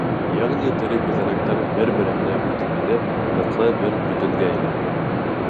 Йәғни тере күҙәнәктәр бер-береһенә үтеп инеп, ныҡлы бер бөтөнгә әйләнә.